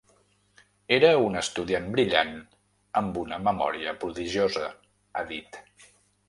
Era un estudiant brillant amb una memòria prodigiosa, ha dit.